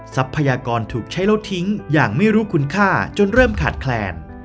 ทรัพยากรถูกใช้แล้วทิ้งอย่างไม่รู้คุณค่าจนเริ่มขาดแคลน